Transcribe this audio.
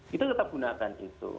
kita tetap gunakan itu